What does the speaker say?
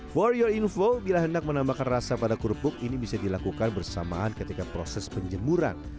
for your info bila hendak menambahkan rasa pada kerupuk ini bisa dilakukan bersamaan ketika proses penjemuran